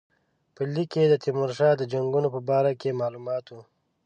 په لیک کې د تیمورشاه د جنګونو په باره کې معلومات وو.